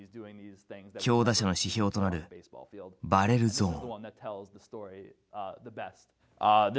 強打者の指標となるバレルゾーン。